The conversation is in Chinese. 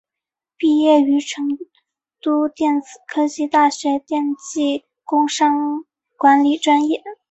毕业于成都电子科技大学高级工商管理专业。